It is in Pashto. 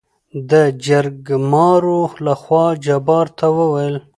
دجرګمارو لخوا جبار ته وويل: